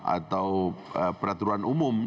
atau peraturan umum